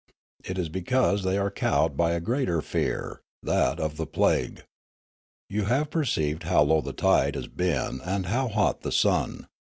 It is be cause they are cowed by a greater fear, that of the plague. You have perceived how low the tide has been, and how hot the sun.